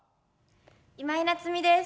今井菜津美です。